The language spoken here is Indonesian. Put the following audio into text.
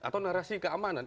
atau narasi keamanan